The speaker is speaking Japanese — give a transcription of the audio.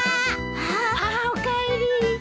ああおかえり。